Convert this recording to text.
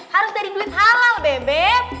harus dari duit halal beb beb